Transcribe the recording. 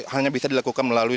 hanya bisa dilakukan melalui